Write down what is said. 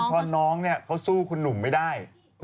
พอน้องเขาสู้คุณหนุ่มไม่ได้